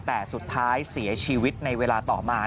แต่สุดท้ายเสียชีวิตในเวลาต่อมา